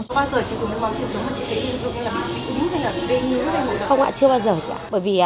không bao giờ chị dùng nước mắm truyền thống mà chị thấy dùng hay là bị ứng hay là bị đê nhứa hay hồi đầu